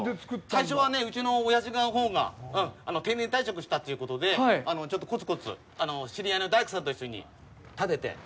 最初はね、うちのおやじのほうが定年退職したということでちょっとこつこつ知り合いの大工さんと一緒に建てて。